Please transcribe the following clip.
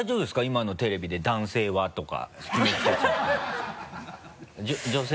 今のテレビで「男性は」とか決めつけちゃっても。